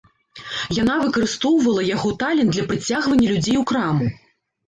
Яна выкарыстоўвала яго талент для прыцягвання людзей у краму.